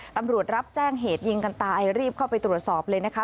ตำรวจรับแจ้งเหตุยิงกันตายรีบเข้าไปตรวจสอบเลยนะคะ